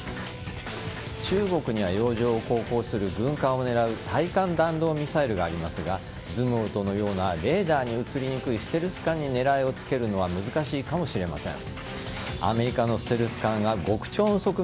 中国には洋上を航行する軍艦を狙う対艦弾道ミサイルがありますがズムウォルトのようなレーダーに映りにくいステルス艦に狙いをつけるのは難しいかもしれません。